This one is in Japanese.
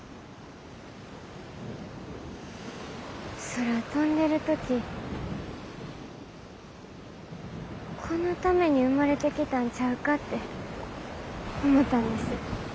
空飛んでる時このために生まれてきたんちゃうかって思ったんです。